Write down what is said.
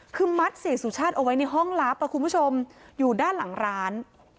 คือมัดเสียสุชาติเอาไว้ในห้องลับคุณผู้ชมอยู่ด้านหลังร้าน